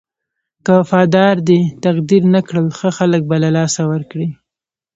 که وفادار دې تقدير نه کړل ښه خلک به له لاسه ورکړې.